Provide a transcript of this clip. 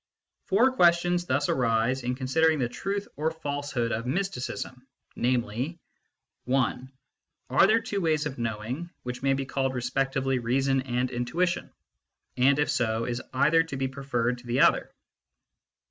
Four questions thus arise in considering the truth or falsehood of mysticism, namely : I. Are there two ways of knowing, which may be called respectively reason and intuition ? And if so, is either to be preferred to the other